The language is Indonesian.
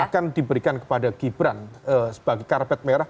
akan diberikan kepada gibran sebagai karpet merah